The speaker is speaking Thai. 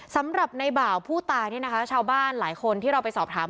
สำหรับในบ่าวผู้ตายเนี่ยนะคะชาวบ้านหลายคนที่เราไปสอบถาม